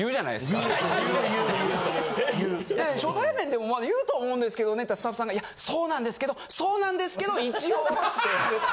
・言う言う・初対面でもまあ言うとは思うんですけどねって言ったらスタッフさんがそうなんですけどそうなんですけど一応って言われて。